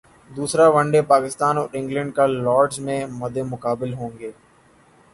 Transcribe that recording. دوسرا one day Pakistan اور England کل لارڈز میں مدمقابل ہونگے